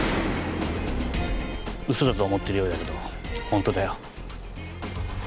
嘘だと思ってるようだけど本当だよ。